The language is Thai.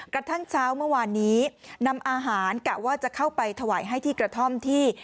กระทั่งเช้าเมื่อวานนี้นำอาหารกะว่าจะเข้าไปถวายให้ที่กระท่อมที่